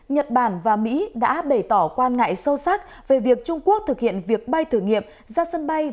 nhật bản và mỹ đã bày tỏ quan ngại sâu sắc về việc trung quốc thực hiện việc bay thử nghiệm ra sân bay